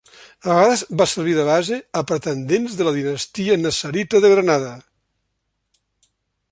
A vegades va servir de base a pretendents de la dinastia nassarita de Granada.